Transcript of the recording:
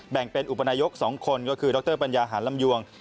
แบ่งเป็นอุปนายก๒คนก็คือดรปัญญาหารลำยวง